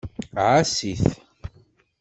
Ɛass-it.